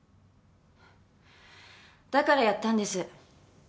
だからやったんです。